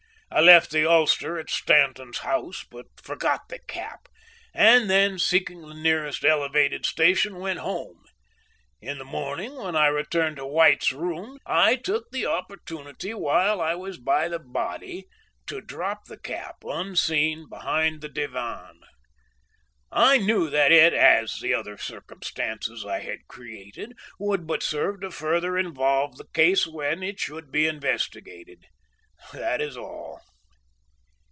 I left the ulster at Stanton's house, but forgot the cap, and then, seeking the nearest elevated station, went home. In the morning when I returned to White's rooms, I took the opportunity while I was by the body to drop the cap unseen behind the divan. I knew that it, as the other circumstances I had created, would but serve to further involve the case when it should be investigated. That is all.